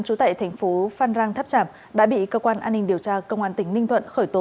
trú tại tp phan rang tháp trảm đã bị cơ quan an ninh điều tra công an tỉnh ninh thuận khởi tố